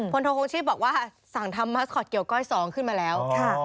โทคงชีพบอกว่าสั่งทำมาสคอตเกี่ยวก้อย๒ขึ้นมาแล้ว